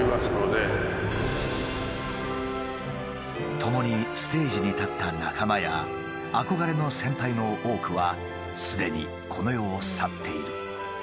共にステージに立った仲間や憧れの先輩の多くはすでにこの世を去っている。